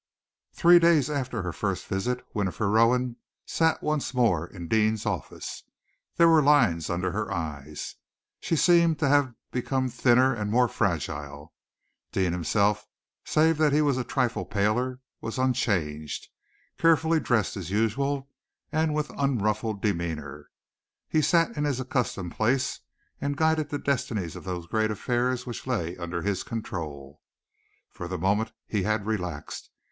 Three days after her first visit, Winifred Rowan sat once more in Deane's office. There were lines underneath her eyes. She seemed to have become thinner and more fragile. Deane himself, save that he was a trifle paler, was unchanged, carefully dressed as usual, and with unruffled demeanor. He sat in his accustomed place, and guided the destinies of those great affairs which lay under his control. For the moment he had relaxed.